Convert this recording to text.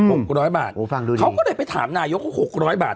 อือฮือฟังดูดีเขาก็ได้ไปถามนายก็๖๐๐บาท